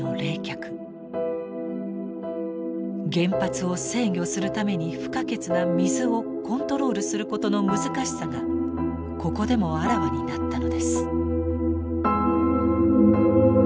原発を制御するために不可欠な水をコントロールすることの難しさがここでもあらわになったのです。